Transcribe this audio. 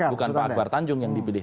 bukan pak akbar tanjung yang dipilih